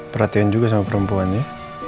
perhatian juga sama perempuan ya